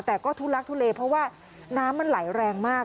แต่ก็ทุลักทุเลเพราะว่าน้ำมันไหลแรงมาก